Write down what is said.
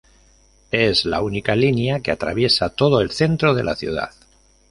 Es la única línea que atraviesa todo el centro de la ciudad.